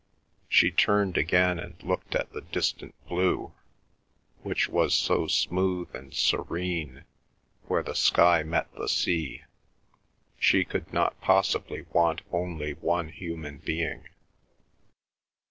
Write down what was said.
She turned again and looked at the distant blue, which was so smooth and serene where the sky met the sea; she could not possibly want only one human being.